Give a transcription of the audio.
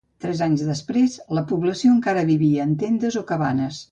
Tres anys després, la població encara vivia en tendes o cabanes.